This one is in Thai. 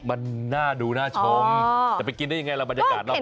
มันน่าดูน่าชมแต่ไปกินได้อย่างไรล่ะบรรยากาศรอบข้าง